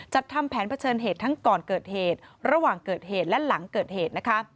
ทำแผนเผชิญเหตุทั้งก่อนเกิดเหตุระหว่างเกิดเหตุและหลังเกิดเหตุนะคะ